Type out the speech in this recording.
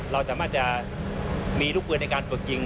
เราก็จะมั่กจะมีลุชพื้นจากการฝึกยิง